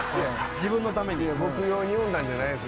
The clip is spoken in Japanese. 自分のために僕用に呼んだんじゃないです